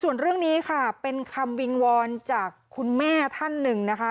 ส่วนเรื่องนี้ค่ะเป็นคำวิงวอนจากคุณแม่ท่านหนึ่งนะคะ